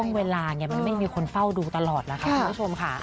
ช่วงเวลามันไม่มีคนเฝ้าดูตลอดนะครับคุณผู้ชมค่ะ